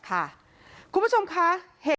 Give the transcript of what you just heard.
ค่ะคุณผู้ชมค่ะ